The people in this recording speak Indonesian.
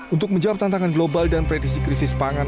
untuk menjawab tantangan global dan pretisi krisis pangan